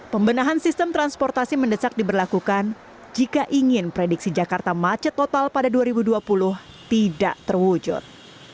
pembenahan sistem transportasi mendesak diberlakukan jika ingin prediksi jakarta macet total pada dua ribu dua puluh tidak terwujud